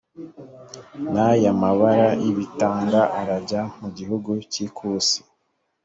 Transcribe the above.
n ay amabara y ibitanga arajya mu gihugu cy ikusi